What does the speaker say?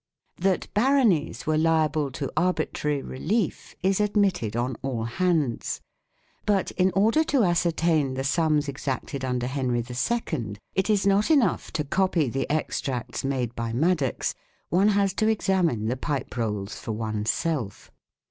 That "baronies" were liable to arbitrary relief is admitted on all hands. But in order to ascertain the sums exacted under Henry II, it is not enough to copy the extracts made by Madox ; one has to examine the " Pipe Rolls " for oneself.